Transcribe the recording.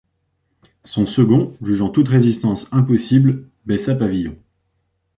Son second, jugeant toute résistance impossible baissa pavillon.